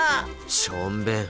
しょんべん！